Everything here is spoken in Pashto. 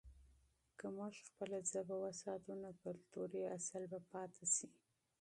که موږ خپله ژبه وساتو، نو کلتوري اصل به پاته سي.